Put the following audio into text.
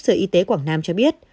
sở y tế quảng nam cho biết